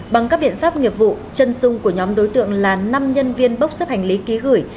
bằng các biện pháp nghiệp vụ chân sung của nhóm đối tượng là năm nhân viên bốc xếp hành lý ký gửi